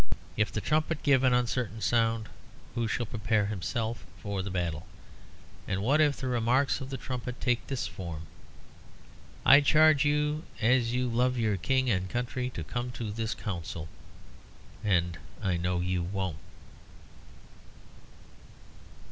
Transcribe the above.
If the trumpet give an uncertain sound, who shall prepare himself for the battle? And what if the remarks of the trumpet take this form, "I charge you as you love your King and country to come to this Council. And I know you won't."